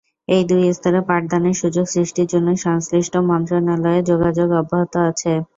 এই দুই স্তরে পাঠদানের সুযোগ সৃষ্টির জন্য সংশ্লিষ্ট মন্ত্রণালয়ে যোগাযোগ অব্যাহত আছে।